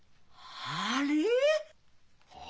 あれ！？